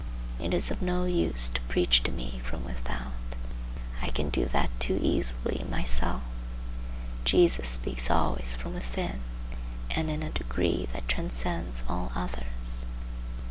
It is of no use to preach to me from without. I can do that too easily myself. Jesus speaks always from within, and in a degree that transcends all others.